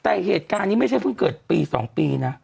แต่เหตุการณ์นี้ไม่ใช่เพิ่งเกิดปี๒ปีนะ